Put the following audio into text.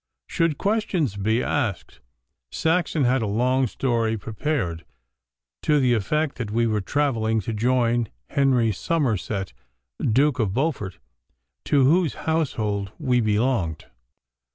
Should questions be asked, Saxon had a long story prepared, to the effect that we were travelling to join Henry Somerset, Duke of Beaufort, to whose household we belonged.